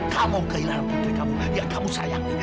kamu kehilangan putri kamu yang kamu sayangi